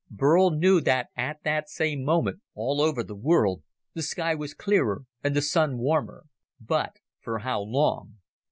Burl knew that at that same moment, all over the world, the sky was clearer and the Sun warmer. But for how long?